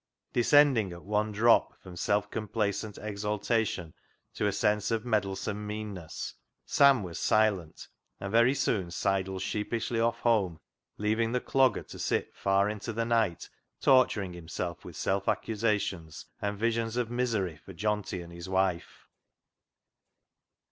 Descending at one drop from self com placent exaltation to a sense of meddlesome meanness, Sam was silent, and very soon sidled sheepishly off home, leaving the Clog ger to sit far into the night torturing himself with self accusations and visions of misery for Johnty and his wife.